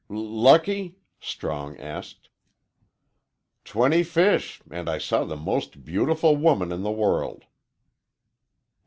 "L lucky?" Strong asked. "Twenty fish, and I saw the most beautiful woman in the world."